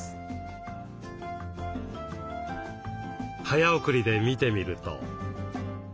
早送りで見てみると。